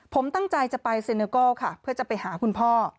ผมตั้งใจจะไปเซเนอร์โก้ค่ะเพื่อจะไปหาคุณพ่อ